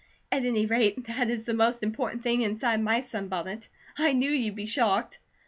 At any rate, that is the most important thing inside my sunbonnet. I knew you'd be shocked."